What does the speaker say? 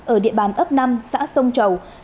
ở địa bàn ấp năm xã sông chầu